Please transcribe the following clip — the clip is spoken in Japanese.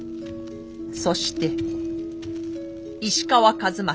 そして石川数正